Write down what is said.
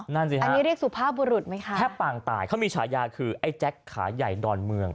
นั่นสิฮะอันนี้เรียกสุภาพบุรุษไหมคะแทบปางตายเขามีฉายาคือไอ้แจ็คขาใหญ่ดอนเมือง